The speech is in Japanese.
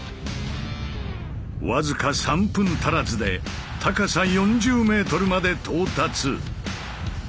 僅か３分足らずで高さ４０ｍまで到達。